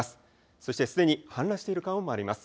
そしてすでに氾濫している川もあります。